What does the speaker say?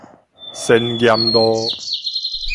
仙岩路